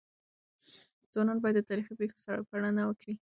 ځوانان بايد د تاريخي پېښو سپړنه وکړي.